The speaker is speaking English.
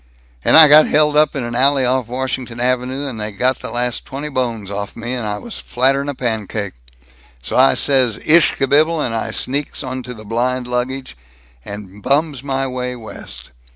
"And I got held up in an alley off Washington Avenue, and they got the last twenty bones off'n me, and I was flatter 'n a pancake. So I says 'ish kabibble,' and I sneaks onto the blind baggage, and bums my way West.